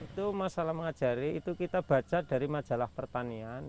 itu masalah mengajari itu kita baca dari majalah pertanian